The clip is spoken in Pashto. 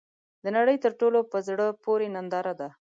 د نړۍ تر ټولو ، په زړه پورې ننداره ده .